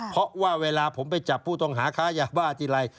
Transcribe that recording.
เพราะว่าเวลาผมไปจับผู้ต้องหาค้ายาบ้าทีไร